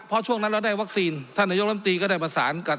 เพราะช่วงนั้นเราได้วัคซีนท่านนายกรรมตรีก็ได้ประสานกับ